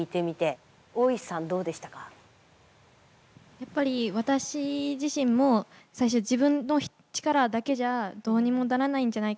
やっぱり私自身も最初は自分の力だけじゃどうにもならないんじゃないかっていう思うところがやっぱりあって。